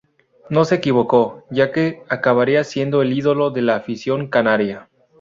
No se equivocó, ya que acabaría siendo el ídolo de la afición canaria.